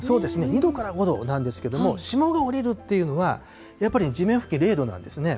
２度から５度なんですけれども、霜が降りるっていうのは、やっぱり地面付近０度なんですね。